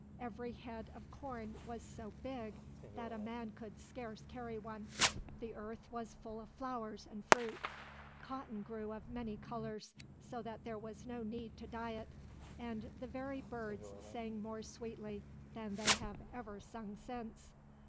Every head of corn was so big that a man could scarce carry one. The earth was full of flowers and fruit. Cotton grew of many colors, so that there was no need to dye it, and the very birds sang more sweetly than they have ever sung since.